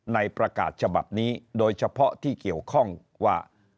ประกาศฉบับนี้โดยเฉพาะที่เกี่ยวข้องว่า